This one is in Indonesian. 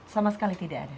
sama sekali tidak ada